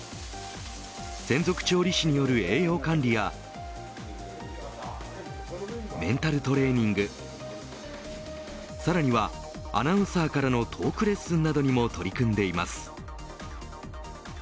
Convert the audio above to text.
専属調理師による栄養管理やメンタルトレーニングさらには、アナウンサーからのトークレッスンなどにも取り組んでいます。